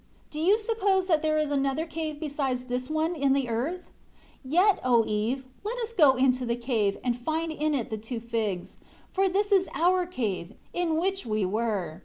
Do you suppose that there is another cave besides this one in the earth? 3 Yet, O Eve, let us go into the cave, and find in it the two figs; for this is our cave, in which we were.